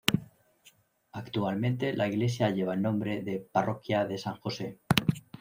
Actualmente la iglesia lleva el nombre de "Parroquia de San Jose".